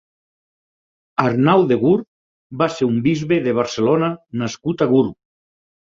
Arnau de Gurb va ser un bisbe de Barcelona nascut a Gurb.